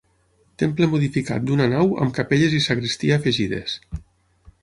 Temple modificat d'una nau amb capelles i sagristia afegides.